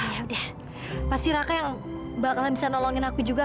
suara kamu tuh biasa aja